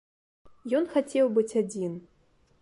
Ён хацеў быць адзін.